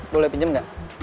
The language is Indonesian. boleh pinjam gak